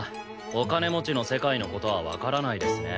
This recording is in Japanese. お金持ちの世界の事はわからないですね。